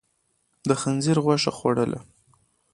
د خنزير غوښه يې خوړله.